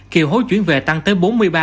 kiều hối chuyển về tăng tới bốn mươi ba